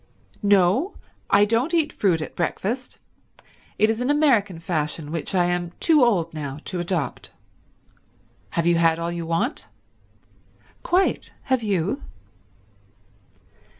"No, I don't eat fruit at breakfast. It is an American fashion which I am too old now to adopt. Have you had all you want?" "Quite. Have you?"